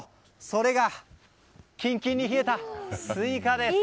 それがキンキンに冷えたスイカです。